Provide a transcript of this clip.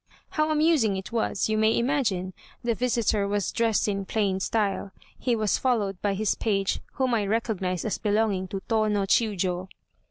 How amusing it was, you may imagine. The visitor was dressed in plain style, he was followed by his page, whom I recognized as belonging to Tô no Chiûjiô."